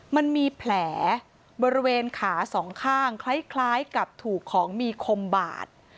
มันมีแผลบริเวณขาสองข้างคล้ายกับถูกของมีคมบาด